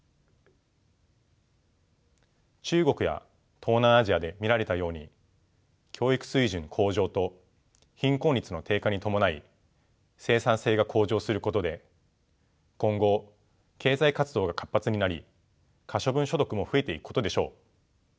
中国や東南アジアで見られたように教育水準向上と貧困率の低下に伴い生産性が向上することで今後経済活動が活発になり可処分所得も増えていくことでしょう。